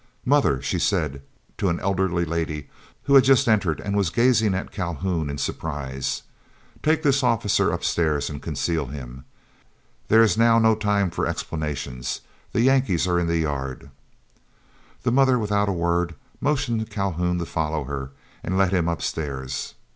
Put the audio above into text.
Mother," she said, to an elderly lady who had just entered and was gazing at Calhoun in surprise, "take this officer upstairs and conceal him. There is now no time for explanations. The Yankees are in the yard." The mother, without a word, motioned Calhoun to follow her, and led him upstairs.